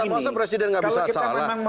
masa presiden nggak bisa salah